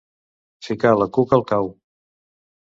Ficar la cuca al cau.